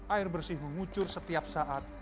air bersih mengucur setiap saat